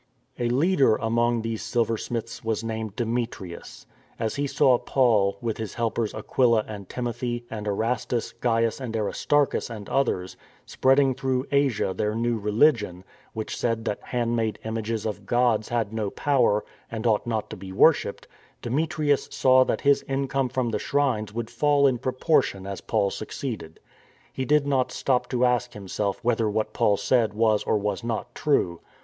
A leader among these silversmiths was named Demetrius. As he saw Paul, with his helpers Aquila and Timothy, and Erastus, Gaius and Aristarchus and others, spreading through Asia their new religion, which said that hand made images of gods had no power and ought not to be worshipped, Demetrius saw that his income from the shrines would fall in proportion as Paul succeeded. He did not stop to 262 STORM AND STRESS ask himself whether what Paul said was or was not true.